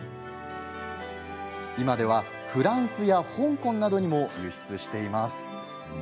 今ではフランスや香港などにも輸出しています。